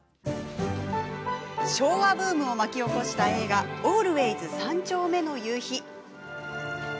昭和ブームを巻き起こした映画「ＡＬＷＡＹＳ三丁目の夕日」